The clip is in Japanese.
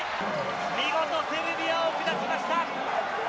見事、セルビアを下しました。